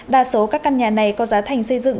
đa số các căn nhà này có giá thành xây dựng